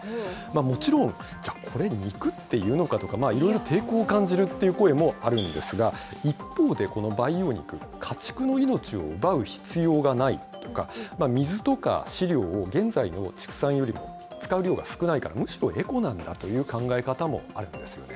もちろん、じゃあ、これ肉って言うのかとか、いろいろ抵抗を感じるっていう声もあるんですが、一方で、この培養肉、家畜の命を奪う必要がないとか、水とか飼料を現在の畜産よりも使う量が少ないから、むしろエコなんだという考え方もあるんですよね。